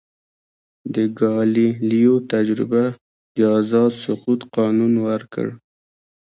د ګالیلیو تجربه د آزاد سقوط قانون ورکړ.